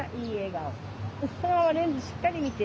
そのままレンズしっかり見て。